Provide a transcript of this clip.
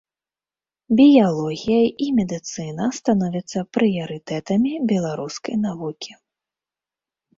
Біялогія і медыцына становяцца прыярытэтамі беларускай навукі.